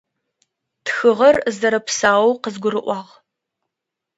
Тхыгъэр зэрэпсаоу къызгурыӏуагъ.